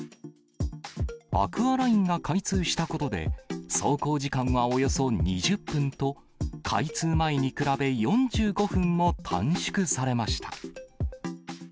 アクアラインが開通したことで、走行時間はおよそ２０分と、開通前に比べ４５分も短縮されました。